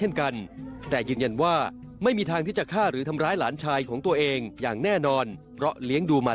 มาฆ่ามากนี้วันที่ซุ่มโรงพยาบาล